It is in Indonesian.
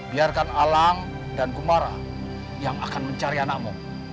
biarkan alang dan kumara yang akan mencari anakmu